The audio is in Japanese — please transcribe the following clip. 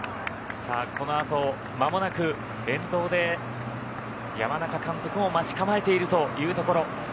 このあと間もなく沿道で山中監督も待ち構えているというところ。